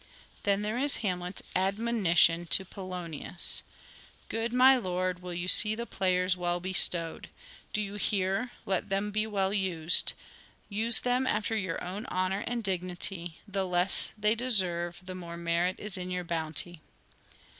Hamlet as Then there is Hamlet's admonition to Polonius : patron of drama. <« Good my lord, will you see the players well bestowed ? Do you hear, let them be well used ... Use them after your own honour and dignity : the less they deserve the more merit is in your bounty."